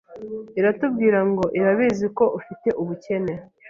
iratubwirango irabiziko ufite ubukene